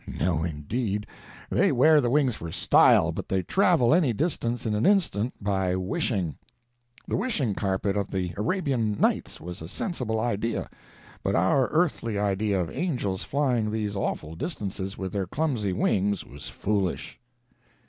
No, indeed; they wear the wings for style, but they travel any distance in an instant by wishing. The wishing carpet of the Arabian Nights was a sensible idea—but our earthly idea of angels flying these awful distances with their clumsy wings was foolish.